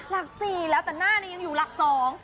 หลักสี่แล้วแต่หน้านี้ยังอยู่หลักสอง